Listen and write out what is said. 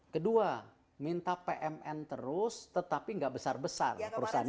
kedua minta pmn terus tetapi nggak besar besar perusahaannya